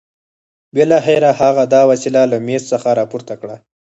بالاخره هغه دا وسيله له مېز څخه راپورته کړه.